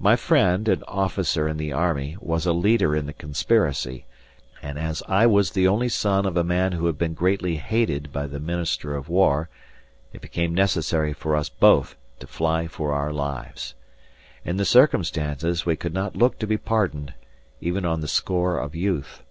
My friend, an officer in the army, was a leader in the conspiracy; and as I was the only son of a man who had been greatly hated by the Minister of War, it became necessary for us both to fly for our lives. In the circumstances we could not look to be pardoned, even on the score of youth.